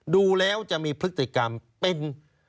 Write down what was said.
ดูแล้วจะมีพฤติกรรมเป็น